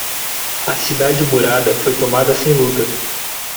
A cidade murada foi tomada sem luta.